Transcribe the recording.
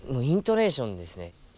イントネーションですね。